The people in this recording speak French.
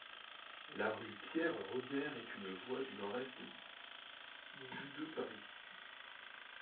La rue Pierre-Rebière est une voie du nord-est du de Paris.